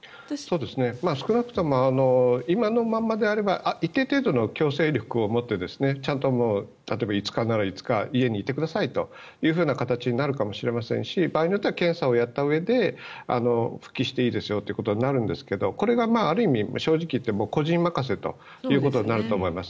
少なくとも今のままであれば一定程度の強制力を持って例えば５日なら５日家にいてくださいという形になるかもしれませんし場合によっては検査をやったうえで復帰していいですよということになるんですがこれがある意味、正直言って個人任せということになると思います。